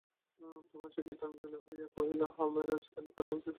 তখন সে কৃতাঞ্জলি হইয়া কহিল হাঁ মহারাজ কলিকাল উপস্থিত হইয়াছে।